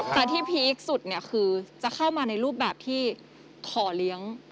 แต่ที่พีคสุดเนี่ยคือจะเข้ามาในรูปแบบที่ขอเลี้ยง